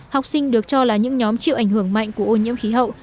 học sinh được cho là những nhóm chịu ảnh hưởng mạnh của ô nhiễm khí hậu